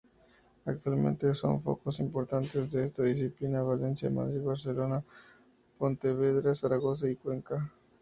Actualmente son focos importantes de esta disciplina Valencia, Madrid, Barcelona, Pontevedra, Zaragoza y Cuenca.